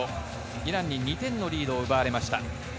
イランに２点のリードを奪われました。